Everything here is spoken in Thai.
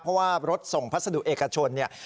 เพราะว่ารถส่งพัสดุเอกชนเนี่ย